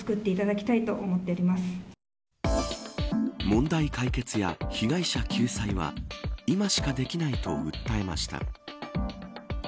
問題解決や被害者救済は今しかできないと訴えました。